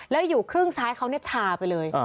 แล้วอยู่ครึ่งซ้ายเขาชาไปเลย